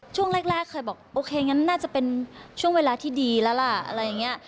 ช่วงแรกเคยบอกโอเคงั้นน่าจะเป็นช่วงเวลาที่ดีแล้วล่ะอะไรอย่างนี้